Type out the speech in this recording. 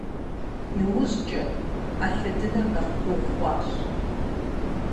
Иужькӏэ, ӏэлъэ дыныр нэхъ гугъу хъуащ.